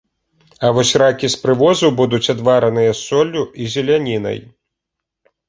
А вось ракі з прывозу будуць адвараныя з соллю і зелянінай.